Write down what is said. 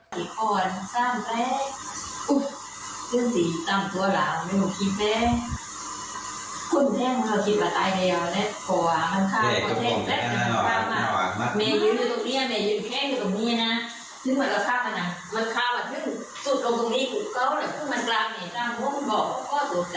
เด็กกับผมแน่นอนมาก